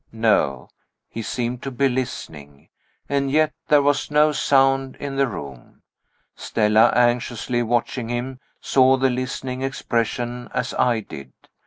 No: he seemed to be listening and yet there was no sound in the room. Stella, anxiously watching him, saw the listening expression as I did.